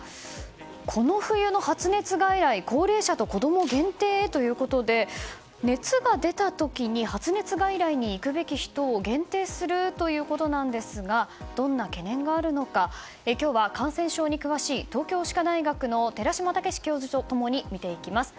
この冬の発熱外来高齢者と子供限定へということで熱が出た時に発熱外来に行くべき人を限定するということなんですがどんな懸念があるのか今日は感染症に詳しい東京歯科大学の寺嶋毅教授と共に見ていきます。